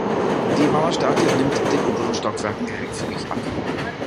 Die Mauerstärke nimmt in den oberen Stockwerken geringfügig ab.